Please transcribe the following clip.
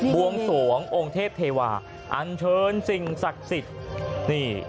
วงสวงองค์เทพเทวาอันเชิญสิ่งศักดิ์สิทธิ์นี่